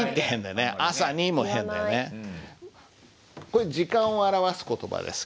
これ時間を表す言葉です。